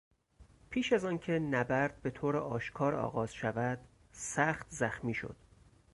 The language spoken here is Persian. پیش از آنکه نبرد به طور آشکار آغاز شود سخت زخمی شد.